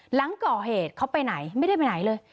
หลังก่อเหตุเขาไปไหนไม่ได้ไปไหนเลย